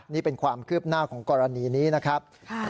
นี่เป็นความคืบหน้าของกรณีนี้นะครับ